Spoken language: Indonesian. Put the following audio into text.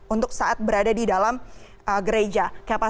untuk saat berada di dalam gereja